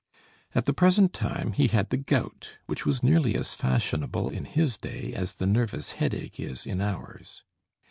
At the present time he had the gout, which was nearly as fashionable in his day as the nervous headache is in ours.